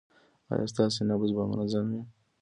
ایا ستاسو نبض به منظم وي؟